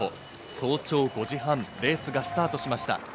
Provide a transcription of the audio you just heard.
早朝５時半、レースがスタートしました。